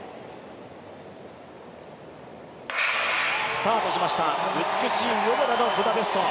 スタートしました、美しい夜空のブダペスト。